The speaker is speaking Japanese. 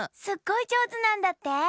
すっごいじょうずなんだって？